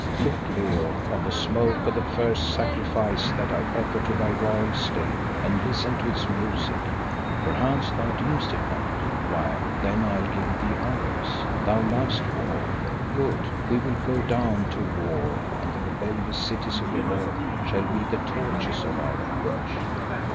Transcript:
"Look Leo on the smoke of the first sacrifice that I offer to thy royal state and listen to its music. Perchance thou deemst it naught. Why then I'll give thee others. Thou lovest war. Good! we will go down to war and the rebellious cities of the earth shall be the torches of our march."